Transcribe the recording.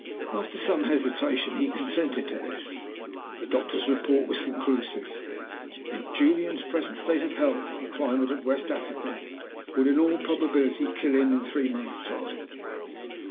After some hesitation he consented to this. The doctor's report was conclusive. In Julian's present state of health the climate of West Africa would in all probability kill him in three months' time.